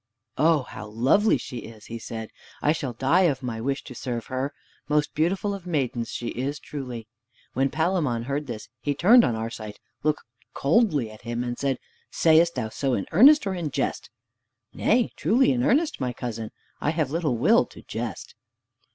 "Oh, how lovely she is!" he said. "I shall die of my wish to serve her. Most beautiful of maidens she is, truly." When Palamon heard this, he turned on Arcite, looked coldly at him and asked, "Sayest thou so in earnest or in jest?" "Nay, truly in earnest, my cousin; I have little will to jest!"